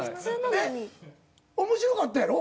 えっ面白かったやろ？